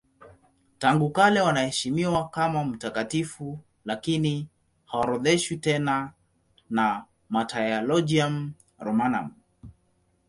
Tangu kale wanaheshimiwa kama mtakatifu lakini haorodheshwi tena na Martyrologium Romanum.